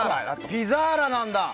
ピザーラなんだ！